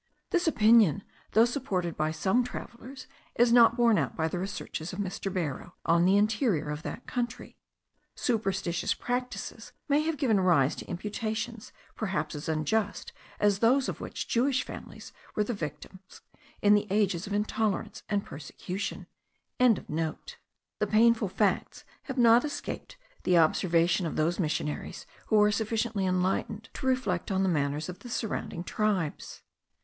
This opinion, though supported by some travellers, is not borne out by the researches of Mr. Barrow on the interior of that country. Superstitious practices may have given rise to imputations perhaps as unjust as those of which Jewish families were the victims in the ages of intolerance and persecution.) The painful facts have not escaped the observation of those missionaries who are sufficiently enlightened to reflect on the manners of the surrounding tribes.